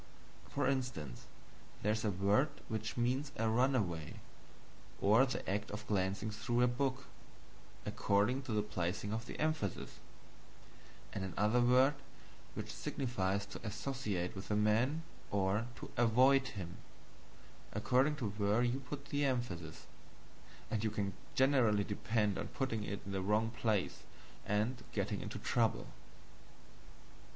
For instance, there is a word which means a runaway, or the act of glancing through a book, according to the placing of the emphasis; and another word which signifies to ASSOCIATE with a man, or to AVOID him, according to where you put the emphasis and you can generally depend on putting it in the wrong place and getting into trouble.